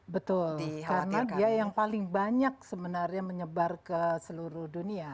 betul karena dia yang paling banyak sebenarnya menyebar ke seluruh dunia